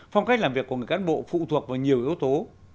phong cách làm việc của người cán bộ phụ thuộc vào nhiều yếu tố